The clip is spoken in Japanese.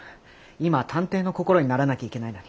今は探偵の心にならなきゃいけないのに。